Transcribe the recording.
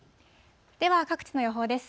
では各地の予報です。